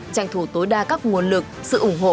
tranh thủ tối đa các nguồn lực sự ủng hộ